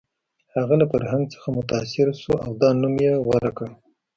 هغه له فرهنګ څخه متاثر شو او دا نوم یې غوره کړ